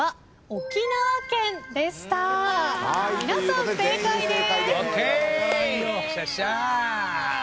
皆さん正解です。